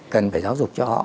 cần phải giáo dục cho họ